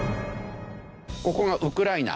ここがウクライナ。